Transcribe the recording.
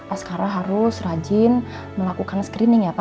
askara harus rajin melakukan screening ya pak